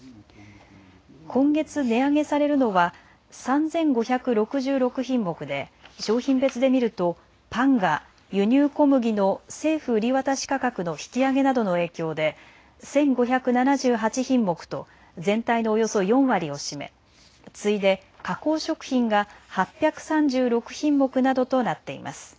今月値上げされるのは３５６６品目で商品別で見るとパンが輸入小麦の政府売り渡し価格の引き上げなどの影響で１５７８品目と全体のおよそ４割を占め、次いで加工食品が８３６品目などとなっています。